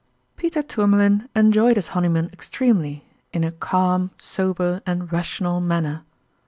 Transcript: PETER TOURMALIN enjoyed his honeymoon extremely, in a calm, sober, and rational man ner.